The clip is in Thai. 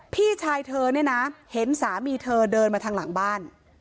พี่ชายเธอเนี่ยนะเห็นสามีเธอเดินมาทางหลังบ้าน